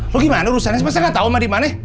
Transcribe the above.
lu gimana urusannya masa gak tau emak dimana